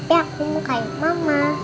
ya aku mau kain mama